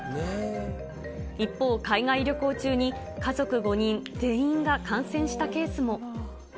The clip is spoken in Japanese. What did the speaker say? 一方、海外旅行中に家族５人全員が感染したケースも。